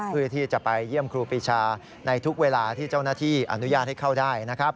เพื่อที่จะไปเยี่ยมครูปีชาในทุกเวลาที่เจ้าหน้าที่อนุญาตให้เข้าได้นะครับ